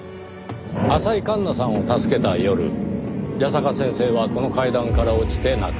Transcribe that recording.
浅井環那さんを助けた夜矢坂先生はこの階段から落ちて亡くなった。